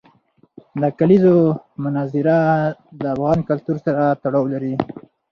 د کلیزو منظره د افغان کلتور سره تړاو لري.